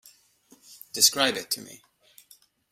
Describe it to me.